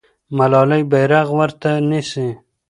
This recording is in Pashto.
ملالۍ بیرغ ورته نیسي.